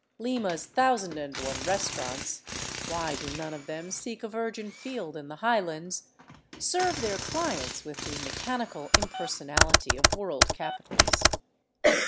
Lima's thousand and one restaurants — why do none of them seek a virgin field in the highlands? — serve their clients with the mechanical im personality of world capitals.